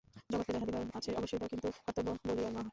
জগৎকে যাহা দিবার আছে অবশ্যই দাও, কিন্তু কর্তব্য বলিয়া নয়।